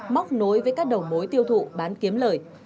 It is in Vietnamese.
móc nối với các đầu mối tiêu thụ bán kiếm lời